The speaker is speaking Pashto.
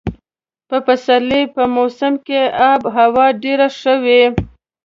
د پسرلي په موسم کې اب هوا ډېره ښه وي.